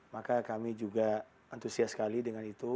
maka kami juga antusias sekali dengan itu